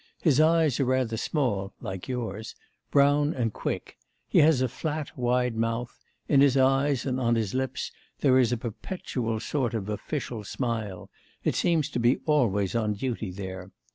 His eyes are rather small (like yours), brown, and quick; he has a flat wide mouth; in his eyes and on his lips there is a perpetual sort of official smile; it seems to be always on duty there.